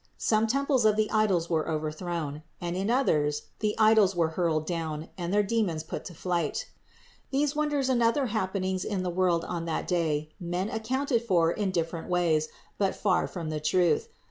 Some temples of the idols were overthrown; and in others the idols were hurled down and their demons 2 28 414 CITY OF GOD put to flight. These wonders and other happenings in the world on that day men accounted for in different ways, but far from the truth.